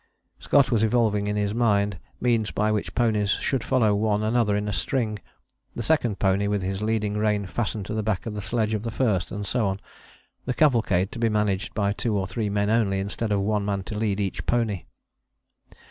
Scott was evolving in his mind means by which ponies should follow one another in a string, the second pony with his leading rein fastened to the back of the sledge of the first and so on, the cavalcade to be managed by two or three men only, instead of one man to lead each pony.